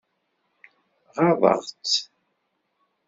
Ɣaḍeɣ-tt?